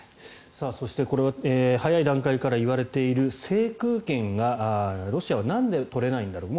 そして、これは早い段階から言われている制空権がロシアはなんで取れないんだろう。